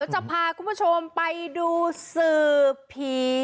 จะพาคุณผู้ชมไปดูสืบผี